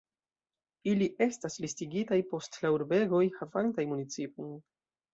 Ili estas listigitaj post la urbegoj havantaj municipojn.